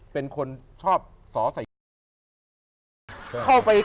เป็นคนชอบสอใส่